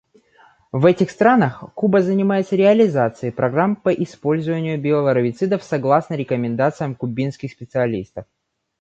В этих странах Куба занимается реализацией программ по использованию биоларвицидов согласно рекомендациям кубинских специалистов.